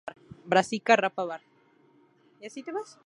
Brassica rapa var.